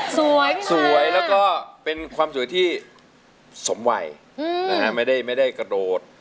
สวยค่ะสวยแล้วก็เป็นความสวยที่สมไหวอืมนะฮะไม่ได้ไม่ได้กระโดด